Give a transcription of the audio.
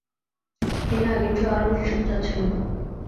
তিনি আগের চেয়ে আরও বেশি সোচ্চার ছিলেন।